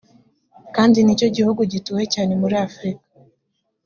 kandi ni cyo gihugu gituwe cyane muri afurika